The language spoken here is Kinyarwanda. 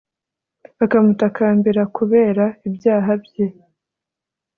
akamutakambira kubera ibyaha bye.